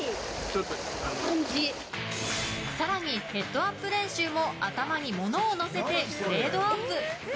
更に、ヘッドアップ練習も頭に物を載せてグレードアップ。